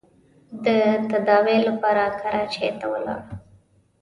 د تداوۍ لپاره کراچۍ ته ولاړ.